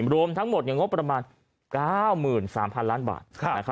รวมทั้งหมดงบประมาณ๙๓๐๐๐ล้านบาท